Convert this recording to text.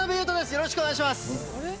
よろしくお願いします。